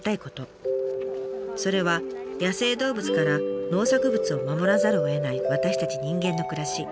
それは野生動物から農作物を守らざるをえない私たち人間の暮らし。